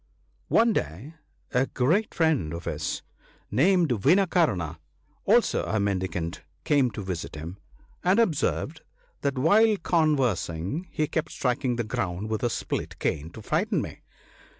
One day a great friend or his, named Vinakarna, also a mendicant, came to visit him ; and observed that while conversing, he kept striking the ground with a split cane, to frighten me.